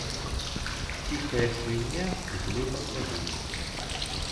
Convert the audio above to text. Цiхая сьвiньня глыбака рые